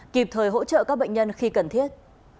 kịp thời hỗ trợ các bệnh nhân khi cần thiết